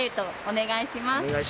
お願いします。